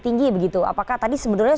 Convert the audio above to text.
tinggi apakah tadi sebenarnya